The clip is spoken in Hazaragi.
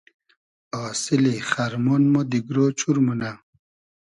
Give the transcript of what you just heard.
آسیلی خئرمۉن مۉ دیگرۉ چور مونۂ